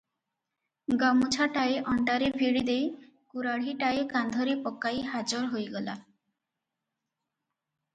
ଗାମୁଛାଟାଏ ଅଣ୍ଟାରେ ଭିଡ଼ିଦେଇ କୁରାଢ଼ୀଟାଏ କାନ୍ଧରେ ପକାଇ ହାଜର ହୋଇଗଲା ।